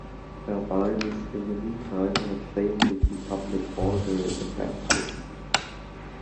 Balbinus, in the meantime, had failed to keep public order in the capital.